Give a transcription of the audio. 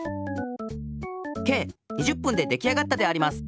計２０ぷんでできあがったであります。